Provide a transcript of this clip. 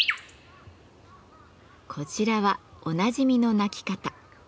こちらはおなじみの鳴き方。